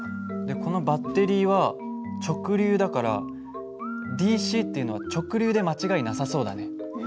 このバッテリーは直流だからＤＣっていうのは直流で間違いなさそうだね。